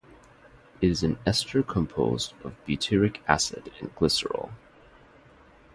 It is an ester composed of butyric acid and glycerol.